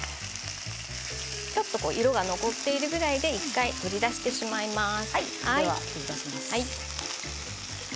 ちょっと色が残っているぐらいで１回取り出してしまいます。